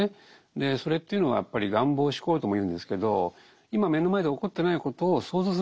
でそれっていうのはやっぱり「願望思考」ともいうんですけど今目の前で起こってないことを想像する力でもあるわけですよ。